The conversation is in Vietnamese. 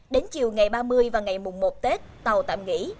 đến chiều ngày ba mươi và ngày mùng một tết tàu tạm nghỉ